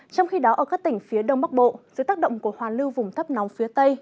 trong khi đó ở các tỉnh phía đông bắc bộ dưới tác động của hoàn lưu vùng thấp nóng phía tây